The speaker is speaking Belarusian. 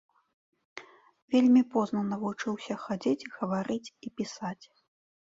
Вельмі позна навучыўся хадзіць, гаварыць і пісаць.